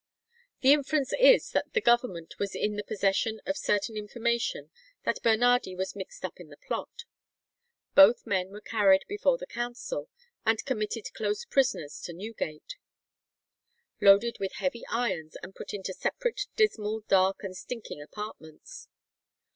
The inference is that the Government was in the possession of certain information that Bernardi was mixed up in the plot.[153:1] Both men were carried before the Council, and committed close prisoners to Newgate, "loaded with heavy irons, and put into separate dismal, dark, and stinking apartments."